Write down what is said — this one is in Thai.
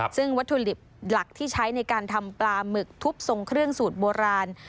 ซึ่งวัตถุดิบหลักที่ใช้ในการทำปลาหมึกทุบทรงเครื่องสูตรโบราณ